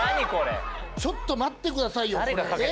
ちょっと待ってくださいよえっ？